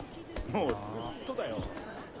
もうずっとだよ。